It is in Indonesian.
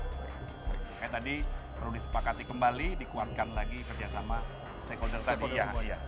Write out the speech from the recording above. seperti tadi perlu disepakati kembali dikuatkan lagi kerjasama stakeholders tadi ya